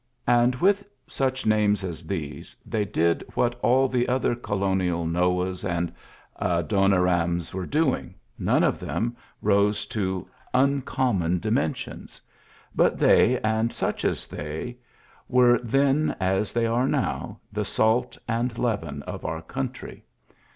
And with Iph names as these they did what all • other colonial Noahs and Adonirams Ire doing. None of them rose to un >mmon dimensions ; but they, and such they, were then, as they are now, the It and leaven of our country.